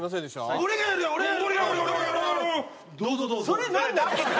それなんで？